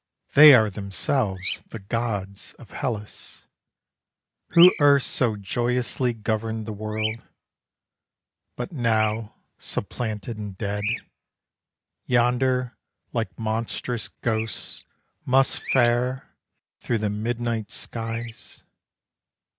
They are themselves the gods of Hellas, Who erst so joyously governed the world, But now, supplanted and dead, Yonder, like monstrous ghosts, must fare, Through the midnight skies.